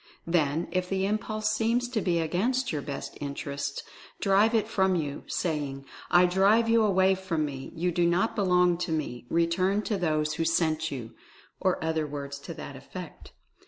Then, if the impulse seems to be against your best interests, drive it from you, saying: "I drive you away from me — you do not belong to me — return to those who sent you," or other words to that effect.